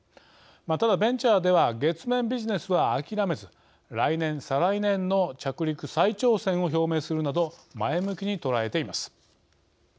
ただ、ベンチャーでは月面ビジネスは諦めず来年、再来年の着陸再挑戦を表明するなど前向きに捉えています。